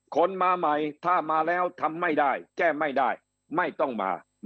คนมาใหม่ถ้ามาแล้วทำไม่ได้แก้ไม่ได้ไม่ต้องมา